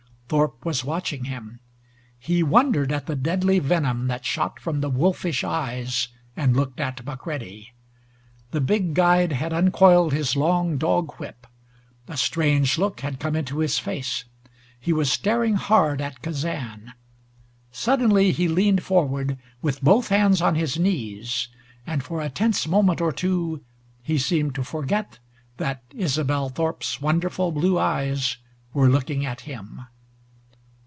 Thorpe was watching him. He wondered at the deadly venom that shot from the wolfish eyes, and looked at McCready. The big guide had uncoiled his long dog whip. A strange look had come into his face. He was staring hard at Kazan. Suddenly he leaned forward, with both hands on his knees, and for a tense moment or two he seemed to forget that Isobel Thorpe's wonderful blue eyes were looking at him.